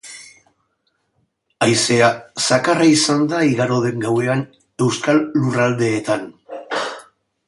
Haizea zakarra izan da igaro den gauean euskal lurraldeetan.